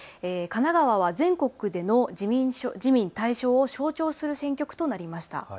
神奈川は全国での自民大勝を象徴する選挙区となりました。